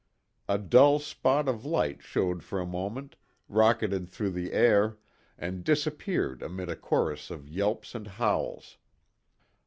A dull spot of light showed for a moment, rocketed through the air, and disappeared amid a chorus of yelps and howls.